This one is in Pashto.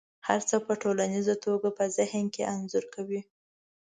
هر څه په ټوليزه توګه په ذهن کې انځور کوي.